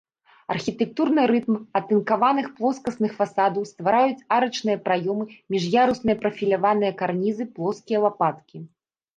Архітэктурны рытм атынкаваных плоскасных фасадаў ствараюць арачныя праёмы, між'ярусныя прафіляваныя карнізы, плоскія лапаткі.